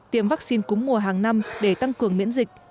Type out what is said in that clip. tiêm vaccine cúng mùa hàng năm để tăng cường miễn dịch